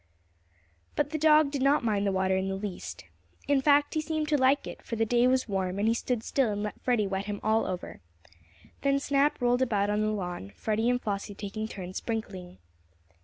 But the dog did not mind the water in the least. In fact he seemed to like it, for the day was warm, and he stood still and let Freddie wet him all over. Then Snap rolled about on the lawn, Freddie and Flossie taking turns sprinkling.